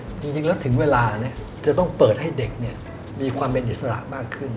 จริงแล้วถึงเวลาเนี่ยจะต้องเปิดให้เด็กเนี่ยมีความเป็นอิสระมากขึ้น